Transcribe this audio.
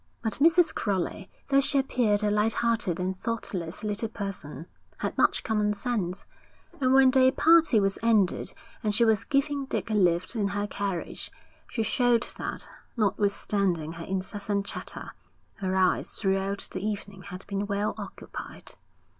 But Mrs. Crowley, though she appeared a light hearted and thoughtless little person, had much common sense; and when their party was ended and she was giving Dick a lift in her carriage, she showed that, notwithstanding her incessant chatter, her eyes throughout the evening had been well occupied.